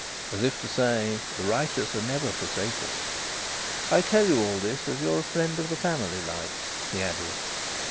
As if to say, "The righteous are never forsaken." "I tell you all this as you're a friend of the family like," he added.